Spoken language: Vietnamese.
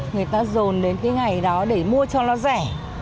người ta dồn đến cái ngày đó để mua cho nó rẻ